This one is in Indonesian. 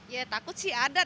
ya takut sih ada